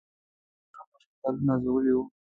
په اوربشو په شفتلو نازولي وو.